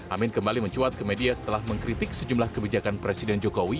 amin kembali mencuat ke media setelah mengkritik sejumlah kebijakan presiden jokowi